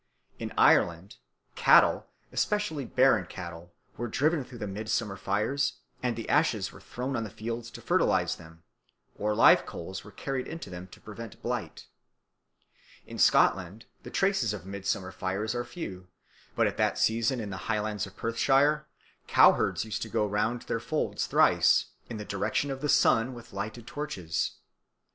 In Ireland cattle, especially barren cattle, were driven through the midsummer fires, and the ashes were thrown on the fields to fertilise them, or live coals were carried into them to prevent blight. In Scotland the traces of midsummer fires are few; but at that season in the highlands of Perthshire cowherds used to go round their folds thrice, in the direction of the sun, with lighted torches.